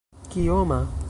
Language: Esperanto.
kioma